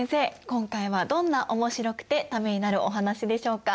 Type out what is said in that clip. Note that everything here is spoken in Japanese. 今回はどんなおもしろくてためになるお話でしょうか？